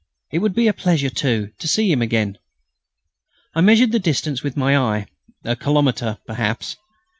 It would be a pleasure, too, to see him again. I measured the distance with my eye a kilometre, perhaps.